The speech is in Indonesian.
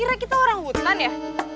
kira kita orang butlan ya